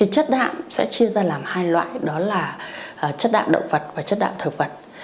chất đạm sẽ chia ra làm hai loại đó là chất đạm động vật và chất đạm thực vật